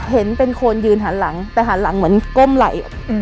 เห็นเป็นคนยืนหันหลังแต่หันหลังเหมือนก้มไหล่